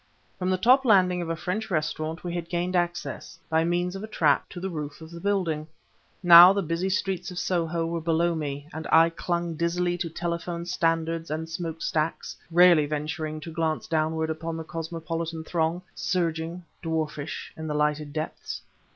From the top landing of a French restaurant we had gained access, by means of a trap, to the roof of the building. Now, the busy streets of Soho were below me, and I clung dizzily to telephone standards and smoke stacks, rarely venturing to glance downward upon the cosmopolitan throng, surging, dwarfish, in the lighted depths.